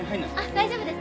「大丈夫です。